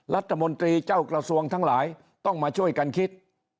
รัฐมนตรีเจ้ากระทรวงทั้งหลายต้องมาช่วยกันคิด